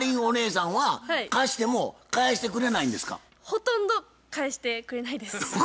ほとんど返してくれないです。